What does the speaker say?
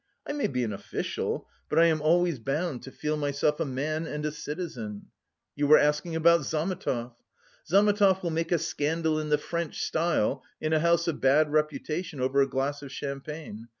I may be an official, but I am always bound to feel myself a man and a citizen.... You were asking about Zametov. Zametov will make a scandal in the French style in a house of bad reputation, over a glass of champagne...